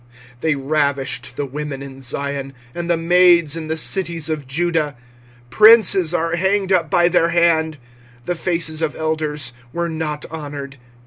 25:005:011 They ravished the women in Zion, and the maids in the cities of Judah. 25:005:012 Princes are hanged up by their hand: the faces of elders were not honoured.